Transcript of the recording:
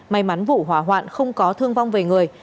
may mắn vụ hỏa hoạn không có thương vong về người